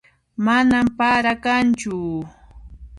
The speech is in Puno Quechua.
Manan para kanchu